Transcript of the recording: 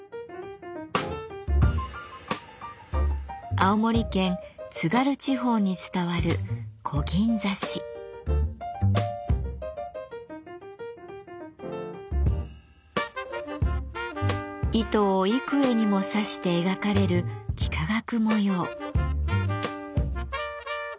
青森県・津軽地方に伝わる糸を幾重にも刺して描かれる幾何学模様。